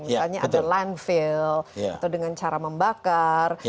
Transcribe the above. misalnya ada landfill atau dengan cara membakar